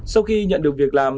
sau khi nhận được việc làm